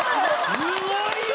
すごいよ！